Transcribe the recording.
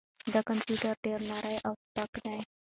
دا کمپیوټر ډېر نری او سپک دی.